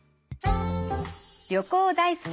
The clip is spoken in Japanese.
旅行大好き！